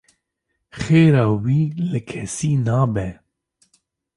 Xêra wî li kesî nabe.